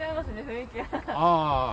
雰囲気が。